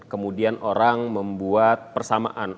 kemudian orang membuat persamaan